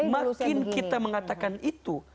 makin kita mengatakan itu